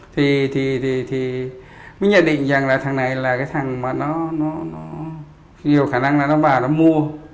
thì mình nhận định rằng là thằng này là thằng mà nó nhiều khả năng là nó vào nó mua